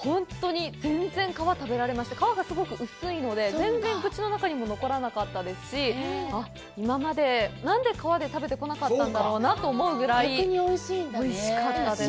皮がすごく薄いので、全然口の中にも残らなかったですし、今まで何て皮で食べてこなかったのかなと思うぐらいおいしかったです。